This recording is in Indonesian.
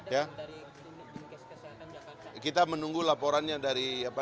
ya kita tunggu laporannya aja